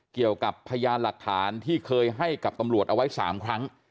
เกี่ยวกับพยานหลักฐานที่เคยให้กับตำรวจเอาไว้๓ครั้ง